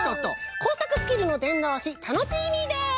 こうさくスキルのでんどうしタノチーミーです！